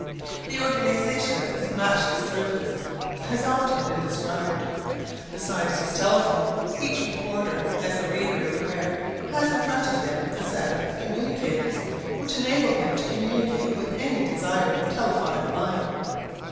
The organization of this matchless service has often been described. Besides his telephone, each reporter, as the reader is aware, has in front of him a set of commutators, which enable him to communicate with any desired telephotic line.